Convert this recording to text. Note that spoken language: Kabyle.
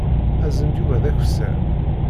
Azen-d Yuba d akessar.